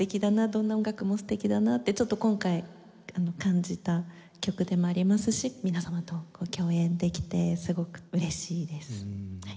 どんな音楽も素敵だなってちょっと今回感じた曲でもありますし皆様と共演できてすごく嬉しいです。